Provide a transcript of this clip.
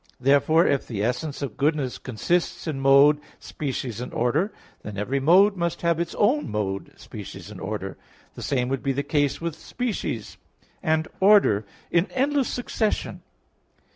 Therefore if the essence of goodness consists in mode, species and order, then every mode must have its own mode, species and order. The same would be the case with species and order in endless succession.